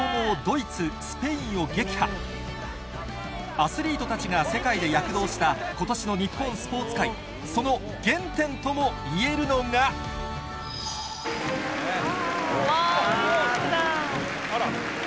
アスリートたちが世界で躍動した今年の日本スポーツ界その原点ともいえるのがうわオリンピックだ。